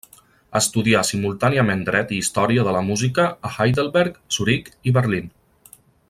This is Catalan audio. Estudià simultàniament dret i història de la música a Heidelberg, Zuric i Berlín.